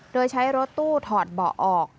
โดยใช้รถตู้ถอดเบาะออก